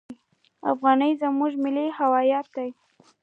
افغانۍ زموږ ملي هویت دی.